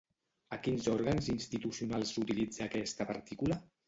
A quins òrgans institucionals s'utilitza aquesta partícula?